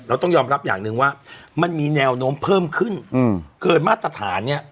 ต้องยอมรับอย่างหนึ่งว่ามันมีแนวโน้มเพิ่มขึ้นเกินมาตรฐานเนี่ย